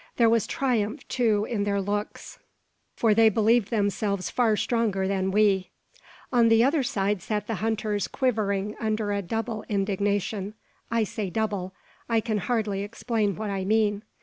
There was triumph, too, in their looks, for, they believed themselves far stronger than we. On the other side sat the hunters quivering under a double indignation. I say double. I can hardly explain what I mean.